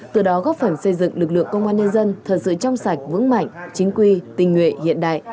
từ đó góp phần xây dựng lực lượng công an nhân dân thật sự trong sạch vững mạnh chính quy tình nguyện hiện đại